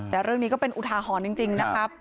แต่เรื่องนี้ก็เป็นอุทาหรณ์จริงนะครับ